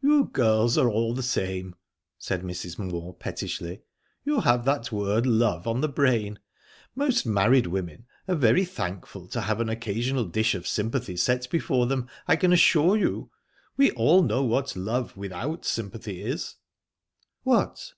"You girls are all the same," said Mrs. Moor pettishly. "You have that word 'love' on the brain. Most married women are very thankful to have an occasional dish of sympathy set before them, I can assure you. We all know what love without sympathy is." "What?"